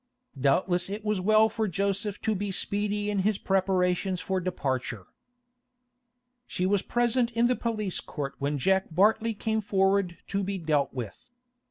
Doubtless it was as well for Joseph to be speedy in his preparations for departure. She was present in the police court when Jack Bartley came forward to be dealt with.